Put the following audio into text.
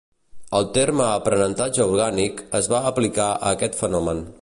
El terme "aprenentatge orgànic" es va aplicar a aquest fenomen.